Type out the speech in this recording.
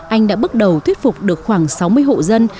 anh đã bước đầu thuyết phục được khoảng sáu mươi hộ dân